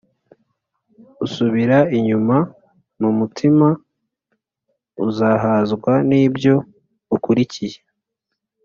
usubira inyuma mu mutima azahazwa n’ibyo akurikiye,